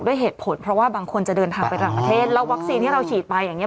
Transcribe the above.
เหตุผลเพราะว่าบางคนจะเดินทางไปต่างประเทศแล้ววัคซีนที่เราฉีดไปอย่างเง